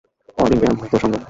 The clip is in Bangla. অল ইন্ডিয়া মৃত সংঘ।